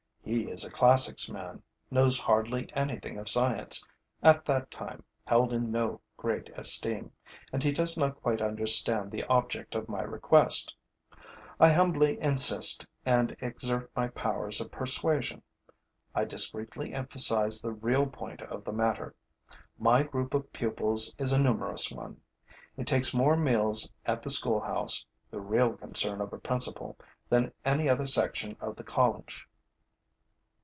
He is a classics man, knows hardly anything of science, at that time held in no great esteem, and he does not quite understand the object of my request. I humbly insist and exert my powers of persuasion. I discreetly emphasize the real point of the matter. My group of pupils is a numerous one. It takes more meals at the schoolhouse the real concern of a principal than any other section of the college.